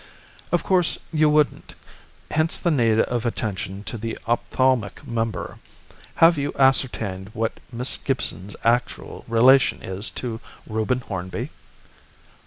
"Of course you wouldn't; hence the need of attention to the ophthalmic member. Have you ascertained what Miss Gibson's actual relation is to Reuben Hornby?"